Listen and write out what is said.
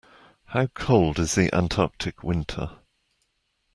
How cold is the Antarctic winter?